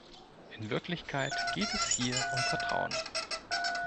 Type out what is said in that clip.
In Wirklichkeit geht es hier um Vertrauen.